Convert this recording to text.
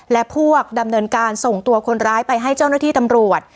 และพวกดำเนินการส่งตัวคนร้ายไปให้เจ้าหน้าที่ตำรวจ